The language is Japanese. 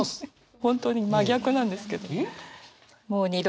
本当に真逆なんですけど。